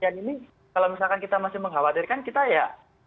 ini kalau misalkan kita masih mengkhawatirkan kita ya